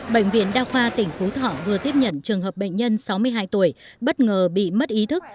bệnh viện đa khoa tỉnh phú thọ vừa tiếp nhận trường hợp bệnh nhân sáu mươi hai tuổi bất ngờ bị mất ý thức